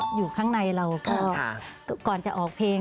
อยู่ข้างในเราก็ก่อนจะออกเพลง